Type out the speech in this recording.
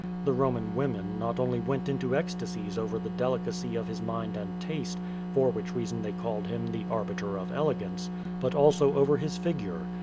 The Soman women not only went into ecstacies over the delicacy of his mind and taste, for which reason they called him the arbiter of elegance, but also over his figure.